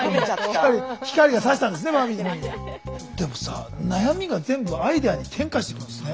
でもさ悩みが全部アイデアに転化してくんですね。